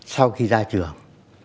sau khi ra trường